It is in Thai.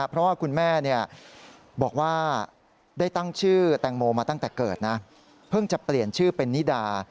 เพราะว่าคุณแม่บอกว่าได้ตั้งชื่อแตงโมมาตั้งแต่เกิดนะเพิ่งจะเปลี่ยนชื่อเป็นนิดา